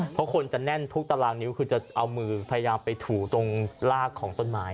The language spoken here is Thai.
เพราะคนจะแน่นทุกตารางนิ้วคือจะเอามือพยายามไปถูตรงลากของต้นไม้